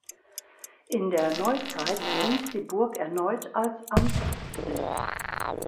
In der Neuzeit diente die Burg erneut als Amtssitz.